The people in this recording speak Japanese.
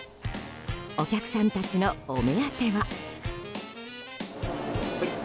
お客さんたちのお目当ては。